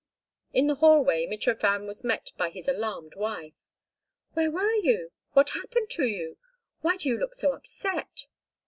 In the hallway Mitrofan was met by his alarmed wife. "Where were you? What happened to you? Why do you look so upset?"